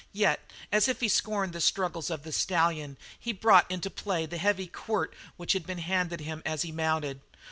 Yet, as if he scorned the struggles of the stallion, he brought into play the heavy quirt which had been handed him as he mounted.